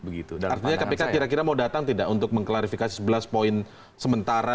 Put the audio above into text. artinya kpk kira kira mau datang tidak untuk mengklarifikasi sebelas poin sementara